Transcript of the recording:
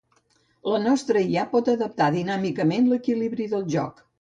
La nostra IA pot adaptar dinàmicament l'equilibri del joc.